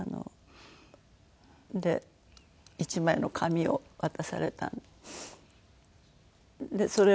で１枚の紙を渡されたんです。